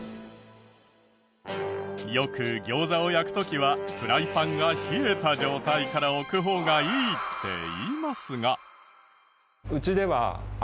よく餃子を焼く時はフライパンが冷えた状態から置く方がいいって言いますが。